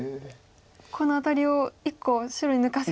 このアタリを１個白に抜かせて。